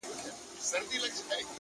ولي مي هره شېبه هر ساعت پر اور کړوې”